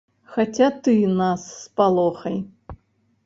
Хаця ты нас спалохай.